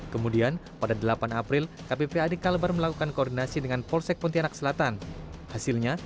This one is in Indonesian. kemudian pada delapan april kppad kalbar melakukan koordinasi dengan polsek pontianak selatan hasilnya